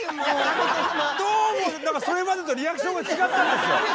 どうもそれまでとリアクションが違ったんですよ。